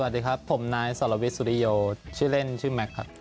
สวัสดีครับผมนายสรวิทยสุริโยชื่อเล่นชื่อแม็กซ์ครับ